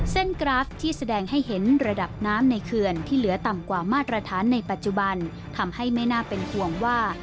กราฟที่แสดงให้เห็นระดับน้ำในเขื่อนที่เหลือต่ำกว่ามาตรฐานในปัจจุบันทำให้ไม่น่าเป็นห่วงว่า